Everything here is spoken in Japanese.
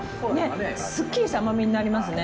すっきりした甘みになりますね。